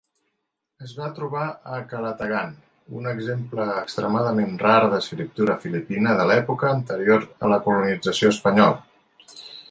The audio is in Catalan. Es va trobar a Calatagan un exemple extremadament rar d'escriptura filipina de l'època anterior a la colonització espanyola.